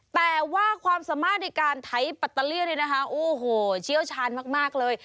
แต่ว่าความสามารถในการไถปัตเตอร์เลี่เนี่ยนะคะโอ้โหเชี่ยวชาญมากเลย